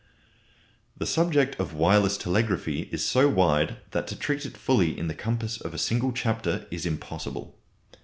The subject of Wireless Telegraphy is so wide that to treat it fully in the compass of a single chapter is impossible.